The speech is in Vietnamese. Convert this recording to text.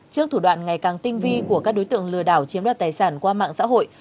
trước thủ đoạn ngày càng tinh vi của các đối tượng lừa đảo chiếm đoạt tài sản qua mạng xã hội